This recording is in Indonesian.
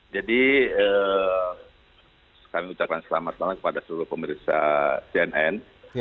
jadi kami ucapkan selamat malam kepada seluruh pemerintah cnn